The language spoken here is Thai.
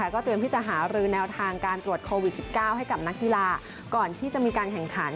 ก็เตรียมที่จะหารือแนวทางการตรวจโควิด๑๙ให้กับนักกีฬาก่อนที่จะมีการแข่งขัน